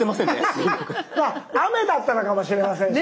雨だったのかもしれませんしね。